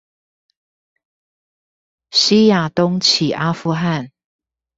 西亞東起阿富汗